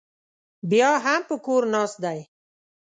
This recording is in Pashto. بیا هم په کور ناست دی